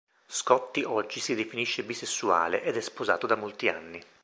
Scotty oggi si definisce bisessuale, ed è sposato da molti anni.